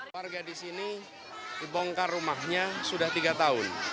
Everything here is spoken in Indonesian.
warga di sini dibongkar rumahnya sudah tiga tahun